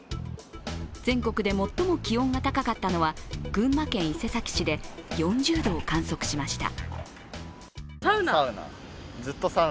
全国で最も気温が高かったのは群馬県伊勢崎市で４０度を観測しました。